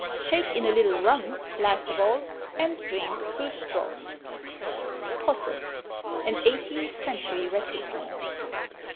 Shake in a little rum, last of all, and drink through straws. Possets. (An eighteenth century recipe.)